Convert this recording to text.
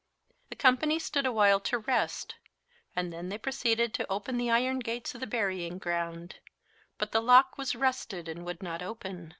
The company stood a while to rest, and then they proceeded to open the iron gates of the burying ground; but the lock was rusted and would not open.